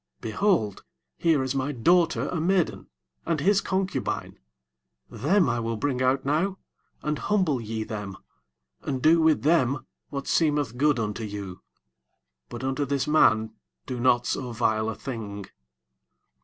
24 Behold, here is my daughter a maiden, and his concubine; them I will bring out now, and humble ye them, and do with them what seemeth good unto you: but unto this man do not so vile a thing.